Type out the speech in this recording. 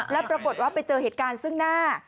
แล้วปรากฏว่าไปเจอเหตุการณ์ซึ่งหน้า